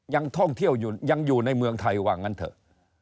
ยังท่องเที่ยวอยู่ยังอยู่ในเมืองไทยว่างั้นเถอะ